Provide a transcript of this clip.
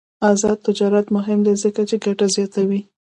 آزاد تجارت مهم دی ځکه چې ګټه زیاتوي.